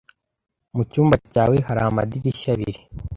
Mu cyumba cyawe hari amadirishya abiri?